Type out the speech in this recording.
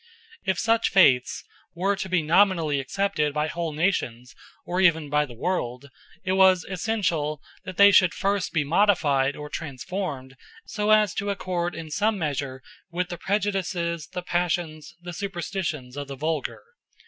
If such faiths were to be nominally accepted by whole nations or even by the world, it was essential that they should first be modified or transformed so as to accord in some measure with the prejudices, the passions, the superstitions of the vulgar.